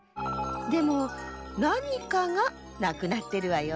でもなにかがなくなってるわよ。